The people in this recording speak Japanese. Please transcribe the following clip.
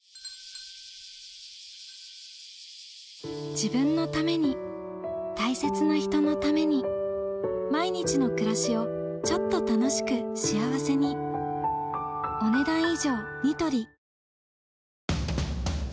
自分のために大切な人のために毎日の暮らしをちょっと楽しく幸せにいってらっしゃい！